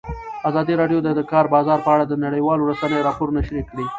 ازادي راډیو د د کار بازار په اړه د نړیوالو رسنیو راپورونه شریک کړي.